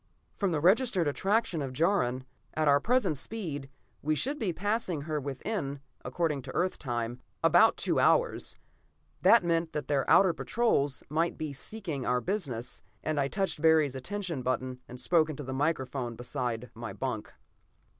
From the registered attraction of Jaron, at our present speed, we should be passing her within, according to Earth time, about two hours. That meant that their outer patrols might be seeking our business, and I touched Barry's attention button, and spoke into the microphone beside my bunk.